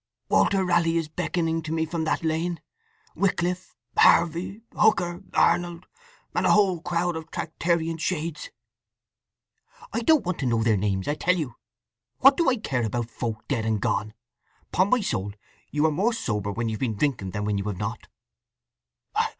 "Walter Raleigh is beckoning to me from that lane—Wycliffe—Harvey—Hooker—Arnold—and a whole crowd of Tractarian Shades—" "I don't want to know their names, I tell you! What do I care about folk dead and gone? Upon my soul you are more sober when you've been drinking than when you have not!"